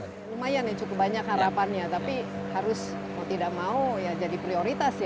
lumayan ya cukup banyak harapannya tapi harus mau tidak mau ya jadi prioritas ya